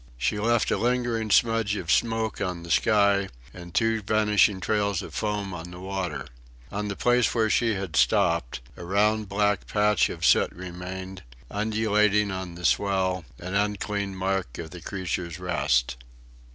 She left a lingering smudge of smoke on the sky, and two vanishing trails of foam on the water. On the place where she had stopped a round black patch of soot remained, undulating on the swell an unclean mark of the creature's rest.